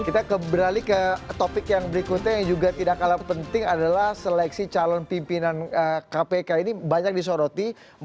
kita beralih ke topik yang berikutnya yang juga tidak kalah penting adalah seleksi calon pimpinan kpk ini banyak disoroti